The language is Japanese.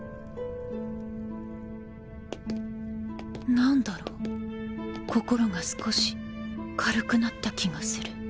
何だろう心が少し軽くなった気がする